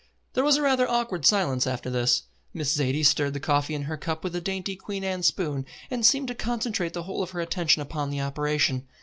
There was a rather awkward silence after this. Miss Zaidie stirred the coffee in her cup with a dainty Queen Anne spoon, and seemed to concentrate the whole of her attention upon the operation.